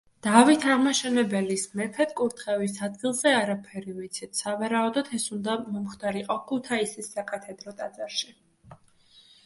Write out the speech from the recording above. დავით აღმაშენებელის მეფედ კურთხევის ადგილზე არაფერი ვიცით, სავარაუდოდ ეს უნდა მომხდარიყო ქუთაისის საკათედრო ტაძარში.